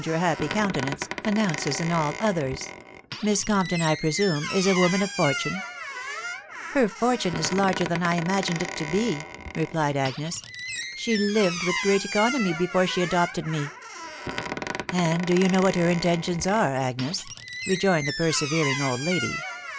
your happy countenance, announces in all others. '.•• Mbx Compton, I presume, is a woman of fortune ?■*•" Her fortune is larger than I imagined it to be," vepfiet Agnes. " She lived with great economy before she adopts* me." " And do you know what her intentions are, Agnes ?" ad joined the persevering old lady.